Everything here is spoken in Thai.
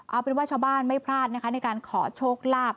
เอาเป็นว่าชาวบ้านไม่พลาดนะคะในการขอโชคลาภ